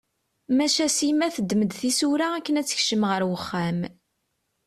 Maca Sima teddem-d tisura akken ad tekcem ɣer uxxam.